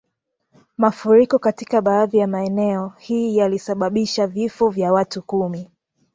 Mafuriko katika baadhi ya maeneo Hii yalisababisha vifo vya watu kumi